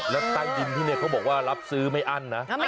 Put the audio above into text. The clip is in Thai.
แล้วใต้ดินที่นี่เขาบอกว่ารับซื้อไม่อั้นนะ